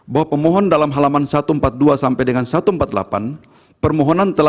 bahwa pemohon dalam halaman satu ratus empat puluh dua sampai dengan satu ratus empat puluh delapan permohonan telah